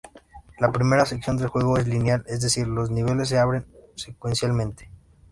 La primera sección del juego es lineal, es decir, los niveles se abren secuencialmente.